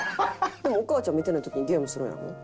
でもお母ちゃん見てない時にゲームするんやろ？